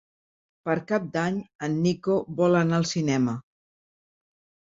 Per Cap d'Any en Nico vol anar al cinema.